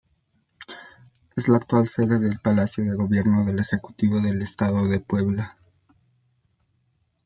Es la actual sede del Palacio de Gobierno del Ejecutivo del Estado de Puebla.